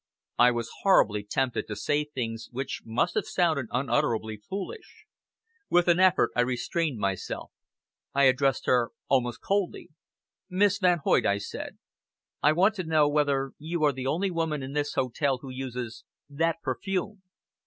I was horribly tempted to say things which must have sounded unutterably foolish. With an effort I restrained myself. I addressed her almost coldly. "Miss Van Hoyt," I said, "I want to know whether you are the only woman in this hotel who uses that perfume."